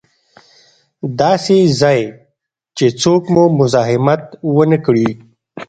داسې ځای چې څوک مو مزاحمت و نه کړي.